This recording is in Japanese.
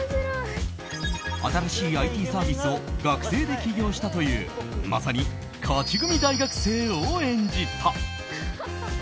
新しいＩＴサービスを学生で起業したというまさに勝ち組大学生を演じた。